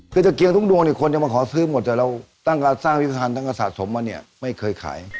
คือตะเกียงทุกดวงเนี่ยคนจะมาขอซื้อหมดแต่เราตั้งยุทธภัณฑ์ตั้งแต่สะสมมาเนี่ยไม่เคยขาย